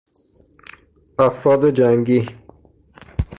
افراد جنگی